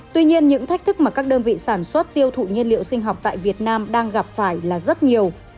tuy nhiên những thách thức mà các đơn vị sản xuất tiêu thụ nhân liệu sinh học tại việt nam đang gặp phải là rất nhiều